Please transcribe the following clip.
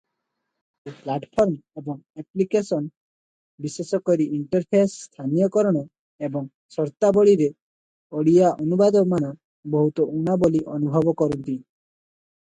ସେ ପ୍ଲାଟଫର୍ମ ଏବଂ ଆପ୍ଲିକେସନ, ବିଶେଷକରି ଇଣ୍ଟରଫେସ୍ ସ୍ଥାନୀୟକରଣ ଏବଂ ସର୍ତ୍ତାବଳୀରେ ଓଡ଼ିଆ ଅନୁବାଦର ମାନ ବହୁତ ଊଣା ବୋଲି ଅନୁଭବ କରନ୍ତି ।